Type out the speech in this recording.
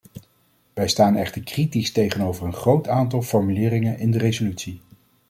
Wij staan echter kritisch tegenover een groot aantal formuleringen in de resolutie.